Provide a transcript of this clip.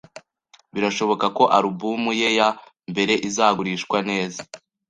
Birashoboka ko alubumu ye ya mbere izagurishwa neza